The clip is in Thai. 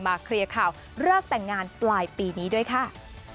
เคลียร์ข่าวเลิกแต่งงานปลายปีนี้ด้วยค่ะ